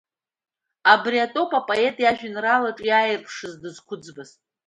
Абри атәоуп апоет иажәеинраалаҿы иааирԥшыз дызқәыӡбаз.